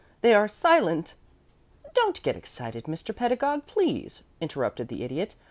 They are silent " "Don't get excited, Mr. Pedagog, please," interrupted the Idiot.